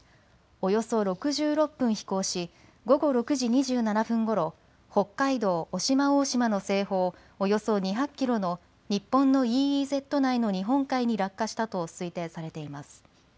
およそ６６分飛行し午後６時２７分ごろ、北海道渡島大島の西方およそ２００キロの日本のＥＥＺ内の日本海に落下したと推定されています。